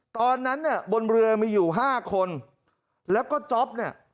ตอนนั้นเนี่ยบนเรือมีอยู่๕คนแล้วก็จ๊อปเนี่ย